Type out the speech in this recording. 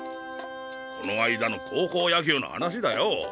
この間の高校野球のはなしだよ。